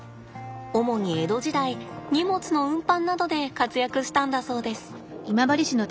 主に江戸時代荷物の運搬などで活躍したんだそうです。